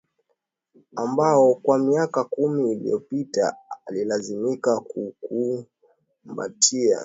ambao kwa miaka kumi iliyopita alilazimika kuukumbatia